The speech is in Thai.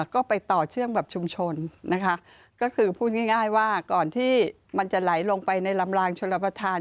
ก็ไปต่อเชื่อมแบบชุมชนนะคะก็คือพูดง่ายว่าก่อนที่มันจะไหลลงไปในลำลางชนประธาน